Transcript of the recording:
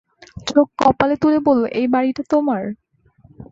চোখ কপালে তুলে বলল, এই বাড়িটা তোমার!